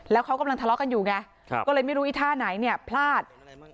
แล้วเขากำลังทะเลาะกันอยู่ไงก็เลยไม่รู้อีท่าไหนเนี่ยพลาด